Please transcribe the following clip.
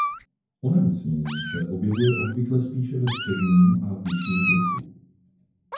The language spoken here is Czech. Onemocnění se objevuje obvykle spíše ve středním a vyšším věku.